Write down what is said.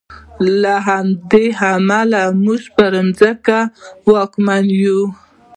له همدې امله موږ پر ځمکه واکمن یو.